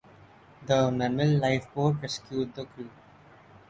The Memel Lifeboat rescued the crew.